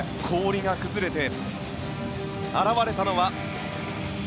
氷が崩れて現れたのは。